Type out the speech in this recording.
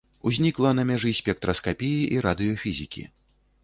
Узнікла на мяжы спектраскапіі і радыёфізікі.